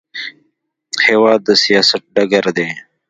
هېواد د سیاست ډګر دی.